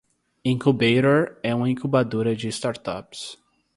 Incubator é uma incubadora de startups.